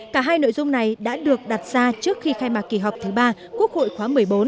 cả hai nội dung này đã được đặt ra trước khi khai mạc kỳ họp thứ ba quốc hội khóa một mươi bốn